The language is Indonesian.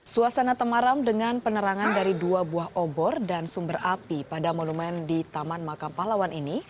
suasana temaram dengan penerangan dari dua buah obor dan sumber api pada monumen di taman makam pahlawan ini